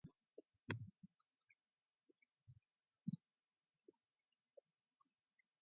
The brothers erected buildings and opened a general store on Richard's land.